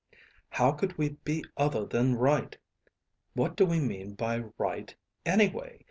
"How could we be other than right? What do we mean by right, anyway?